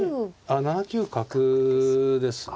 ７九角ですね。